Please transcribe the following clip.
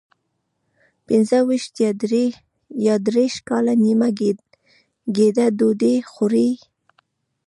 پنځه ویشت یا دېرش کاله نیمه ګېډه ډوډۍ خوري.